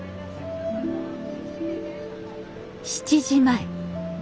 ７時前。